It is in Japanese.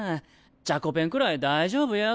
チャコペンくらい大丈夫やって。